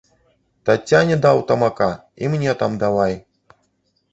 Таццяне даў тамака і мне там давай!